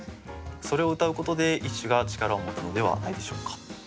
それをうたうことで一首が力を持つのではないでしょうか。